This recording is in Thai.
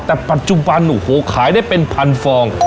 แต่ปัจจุบันโอ้โหขายได้เป็นพันฟอง